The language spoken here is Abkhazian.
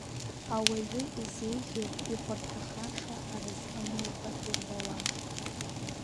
Ауаҩы изеиӷьу, ихәарҭахаша аразҟымҩақәа ирбауа.